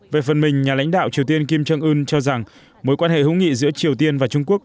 về phần mình nhà lãnh đạo triều tiên kim jong un cho rằng mối quan hệ hữu nghị giữa triều tiên và trung quốc